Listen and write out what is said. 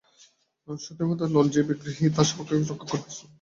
নরশোণিতপানে লোলজিহ্ব ব্যাঘ্রী তাহার শাবককে রক্ষা করিবার জন্য প্রাণ দিতে প্রস্তুত।